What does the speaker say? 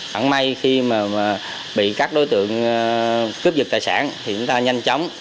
vẫn may khi mà bị các đối tượng cướp dịch tài sản thì chúng ta nhanh chóng